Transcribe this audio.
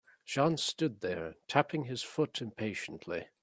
Sean stood there tapping his foot impatiently.